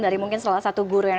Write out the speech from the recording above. dari mungkin salah satu guru yang